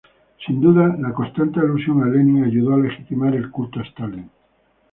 Sin duda, la constante alusión a Lenin ayudó a legitimar el culto a Stalin.